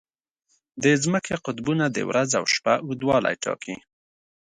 د ځمکې قطبونه د ورځ او شپه اوږدوالی ټاکي.